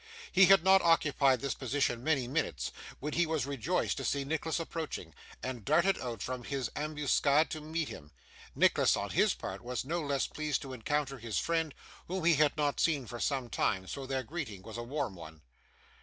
He had not occupied this position many minutes, when he was rejoiced to see Nicholas approaching, and darted out from his ambuscade to meet him. Nicholas, on his part, was no less pleased to encounter his friend, whom he had not seen for some time; so, their greeting was a warm one.